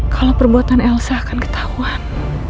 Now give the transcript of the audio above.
kalau perbuatan elsa akan ketahuan